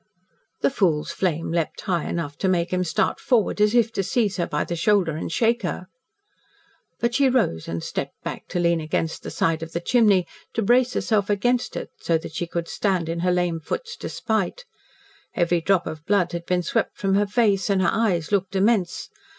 The fool's flame leaped high enough to make him start forward, as if to seize her by the shoulder and shake her. But she rose and stepped back to lean against the side of the chimney to brace herself against it, so that she could stand in her lame foot's despite. Every drop of blood had been swept from her face, and her eyes looked immense.